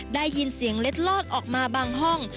ได้ยินเสียงเล็ดลอดออกมาบางห้อง